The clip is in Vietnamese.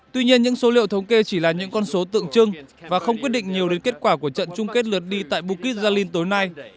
tuy nhiên những số liệu thống kê chỉ là những con số tượng trưng và không quyết định nhiều đến kết quả của trận chung kết lượt đi tại bukis jalin tối nay